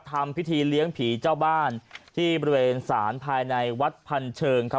ทำพิธีเลี้ยงผีเจ้าบ้านที่บริเวณศาลภายในวัดพันเชิงครับ